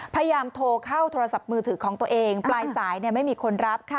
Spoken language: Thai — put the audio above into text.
พยายามโทรเข้าโทรศัพท์มือถือของตัวเองปลายสายไม่มีคนรับ